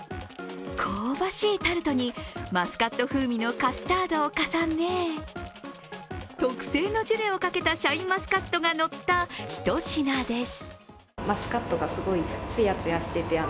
香ばしいタルトにマスカット風味のカスタードを重ね、特製のジュレをかけたシャインマスカットが乗ったひと品です。